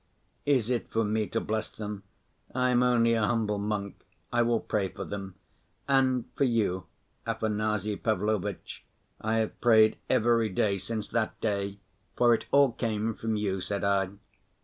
"Is it for me to bless them? I am only a humble monk. I will pray for them. And for you, Afanasy Pavlovitch, I have prayed every day since that day, for it all came from you," said I.